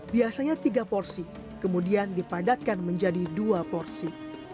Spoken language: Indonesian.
biasanya tiga porsi kemudian dipadatkan menjadi dua porsi